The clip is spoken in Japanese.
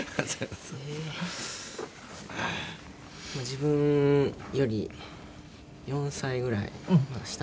自分より４歳ぐらい下。